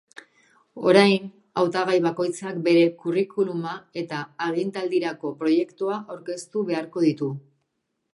Orain, hautagai bakoitzak bere curriculuma eta agintaldirako proiektua aurkeztu beharko ditu.